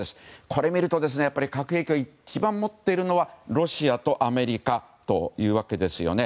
これを見ると核兵器を一番持っているのはロシアとアメリカですね。